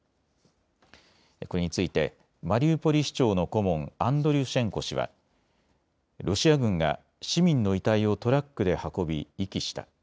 これについてマリウポリ市長の顧問、アンドリュシェンコ氏はロシア軍が市民の遺体をトラックで運び、遺棄した。